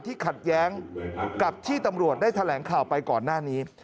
ขัดแย้งกับที่ตำรวจได้แถลงข่าวไปก่อนหน้านี้